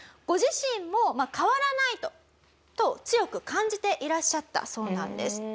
ご自身も「変わらないと！」と強く感じていらっしゃったそうなんです。